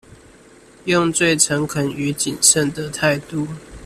用最誠懇與謹慎的態度